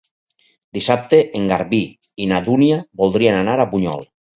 Dissabte en Garbí i na Dúnia voldrien anar a Bunyol.